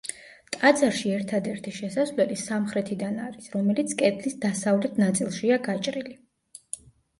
ტაძარში ერთადერთი შესასვლელი სამხრეთიდან არის, რომელიც კედლის დასავლეთ ნაწილშია გაჭრილი.